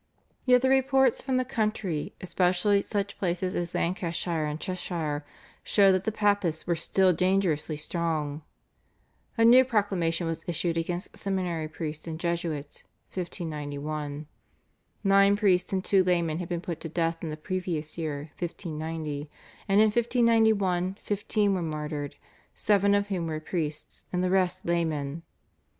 Yet the reports from the country, especially from such places as Lancashire and Cheshire, showed that the Papists were still dangerously strong. A new proclamation was issued against seminary priests and Jesuits (1591). Nine priests and two laymen had been put to death in the previous year (1590), and in 1591 fifteen were martyred, seven of whom were priests and the rest laymen.